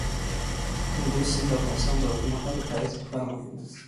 کندز سیند د افغانستان د اوږدمهاله پایښت لپاره مهم دی.